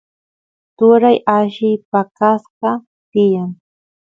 turay alli paqasqa tiyan